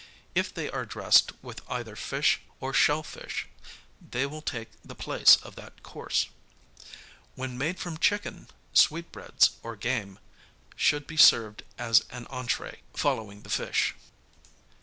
If they are dressed with either fish or shell fish they will take the place of that course. When made from chicken, sweetbreads or game, should be served as an entrķe, following the fish.